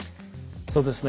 そうですね。